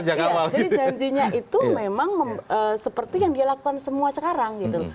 jadi janjinya itu memang seperti yang dia lakukan semua sekarang gitu